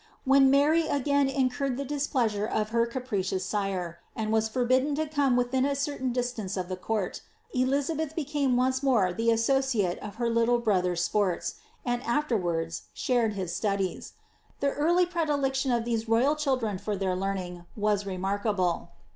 When Mary again incurred the displeasure of her capricious sire, and was forbidden to come within a certain distance o( the court, Elizabeth became once more the associate of her little brother's sports, and after wards shared his studies. The early predilection of these royal children for their learning was remarkable.